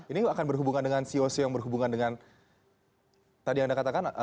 ini akan berhubungan dengan co dua yang berhubungan dengan tadi anda katakan api